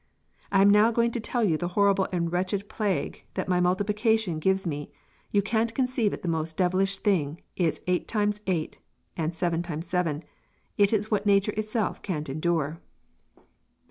I am now going to tell you the horible and wretched plaege that my multiplication gives me you can't conceive it the most Devilish thing is 8 times 8 and 7 times 7 it is what nature itself cant endure."